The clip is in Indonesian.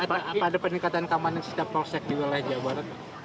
ada peningkatan keamanan setiap polsek di wilayah jawa barat